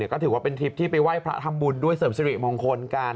ก็ถือว่าเป็นทริปที่ไปไหว้พระทำบุญด้วยเสริมสิริมงคลกัน